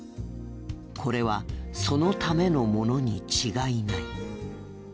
これはそのためのものに違いない。